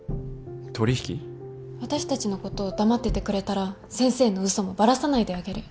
私たちのこと黙っててくれたら先生の嘘もバラさないであげる。